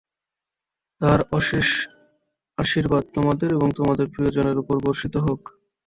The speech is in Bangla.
তাঁহার অশেষ আশীর্বাদ তোমাদের ও তোমাদের প্রিয়জনের উপর বর্ষিত হোক।